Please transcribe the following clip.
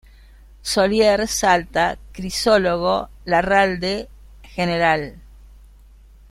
Solier, Salta, Crisólogo Larralde, Gral.